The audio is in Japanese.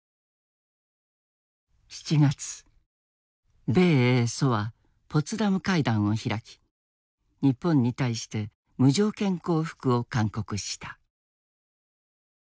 ７月米英ソはポツダム会談を開き日本に対して無条件降伏を勧告した。